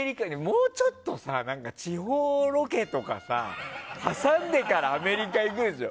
もうちょっとさ、地方ロケとかを挟んでからアメリカ行くでしょ。